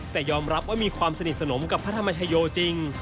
แต่ยอมรับว่ามีความสนิทสนมกับพระธรรมชโยจริง